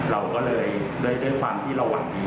เราก็เลยด้วยความที่เราหวังดี